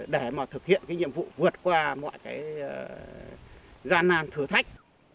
để mà thực hiện cái nhiệm vụ vượt qua mọi cái gian nan thử thách